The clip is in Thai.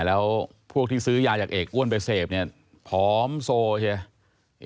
แล้วพวกที่ซื้อยาจากเอกอ้วนไปเสพเนี่ยผอมโซใช่ไหม